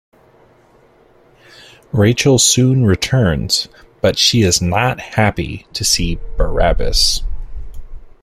Rachel soon returns, but she is not happy to see Barabbas.